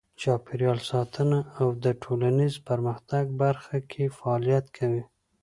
چاپیریال ساتنه او د ټولنیز پرمختګ برخه کې فعالیت کوي.